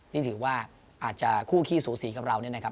นี่ถือว่าอาจจะคู่ขี้สูสีกับเราเนี่ยนะครับ